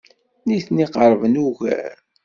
Nitni qerben ugar.